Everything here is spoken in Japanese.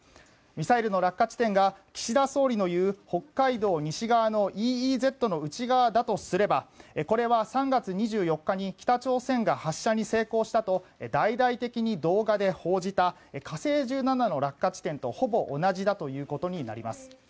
ミサイルの落下地点が岸田総理の言う北海道西側のＥＥＺの内側だとすればこれは３月２４日に北朝鮮が発射に成功したと大々的に動画で報じた「火星１７」の落下地点とほぼ同じだということになります。